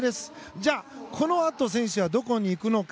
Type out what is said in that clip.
じゃあ、このあと選手はどこに行くのか。